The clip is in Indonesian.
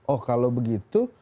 oh kalau begitu